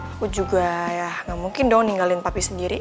aku juga ya gak mungkin dong ninggalin papi sendiri